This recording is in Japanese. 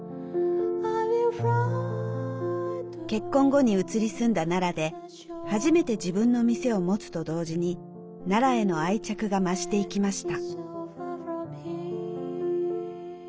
結婚後に移り住んだ奈良で初めて自分の店を持つと同時に奈良への愛着が増していきました。